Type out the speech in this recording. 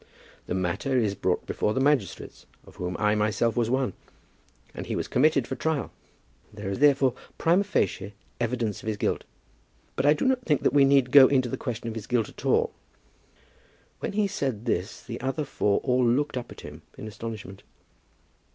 The matter is brought before the magistrates, of whom I myself was one, and he was committed for trial. There is therefore primâ facie evidence of his guilt. But I do not think that we need go into the question of his guilt at all." When he said this, the other four all looked up at him in astonishment.